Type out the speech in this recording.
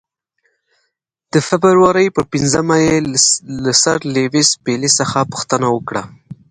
د فبرورۍ پر پنځمه یې له سر لیویس پیلي څخه پوښتنه وکړه.